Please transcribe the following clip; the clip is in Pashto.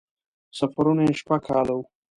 سفرونه یې شپږ کاله وو.